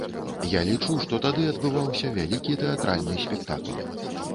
Я лічу, што тады адбываўся вялікі тэатральны спектакль.